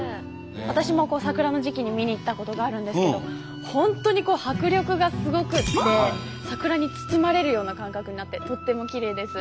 私も桜の時期に見に行ったことがあるんですけど本当に迫力がすごくて桜に包まれるような感覚になってとってもきれいです。